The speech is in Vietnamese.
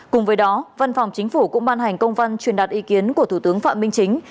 cùng với đó văn phòng chính phủ cũng ban hành công văn truyền đạt ý kiến của thủ tướng phạm minh chính